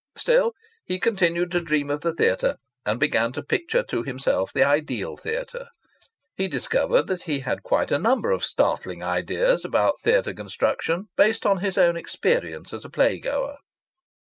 Still, he continued to dream of the theatre, and began to picture to himself the ideal theatre. He discovered that he had quite a number of startling ideas about theatre construction, based on his own experience as a playgoer.